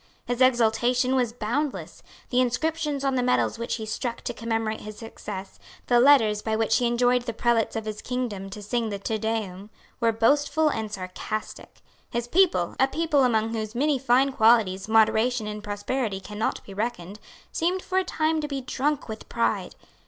His exultation was boundless. The inscriptions on the medals which he struck to commemorate his success, the letters by which he enjoined the prelates of his kingdom to sing the Te Deum, were boastful and sarcastic. His people, a people among whose many fine qualities moderation in prosperity cannot be reckoned, seemed for a time to be drunk with pride.